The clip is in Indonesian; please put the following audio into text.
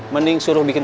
mending suruh bikin